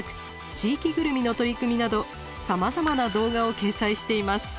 地域ぐるみの取り組みなどさまざまな動画を掲載しています。